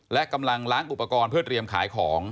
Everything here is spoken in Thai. และกำลังล้างอุปกรณ์เพื่อเตรียมขายของ